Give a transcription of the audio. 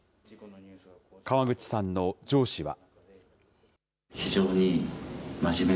河口さんの上司は。